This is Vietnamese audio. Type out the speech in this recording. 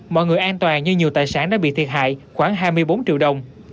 mọi người an toàn nhưng nhiều tài sản đã bị thiệt hại khoảng hai mươi bốn triệu đồng